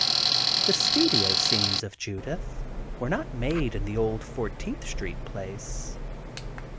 The studio scenes of "Judith" were not made in the old Fourteenth Street place.